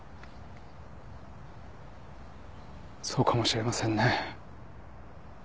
そうかもしれませんね。